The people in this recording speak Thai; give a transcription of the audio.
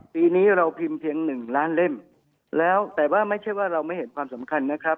ปีนี้เราพิมพ์เพียงหนึ่งล้านเล่มแล้วแต่ว่าไม่ใช่ว่าเราไม่เห็นความสำคัญนะครับ